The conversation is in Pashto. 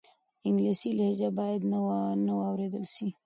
انګلیسي لهجه باید نه واورېدل سي.